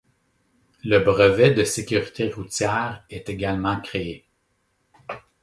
Le brevet de sécurité routière est également créé.